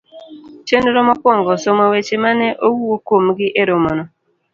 Chenro mokuongo. somo weche ma ne owuo kuomgi e romono.